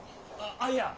あっいや。